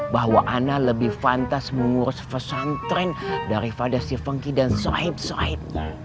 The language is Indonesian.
bahwa ana lebih fantas mengurus pesantren daripada si funky dan sohib sohib